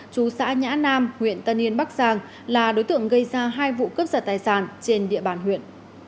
chú xã nhã nam huyện tân yên bắc giang là đối tượng gây ra hai vụ cướp giật tài sản trên địa bàn huyện